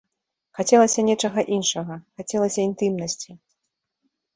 Хацелася нечага іншага, хацелася інтымнасці.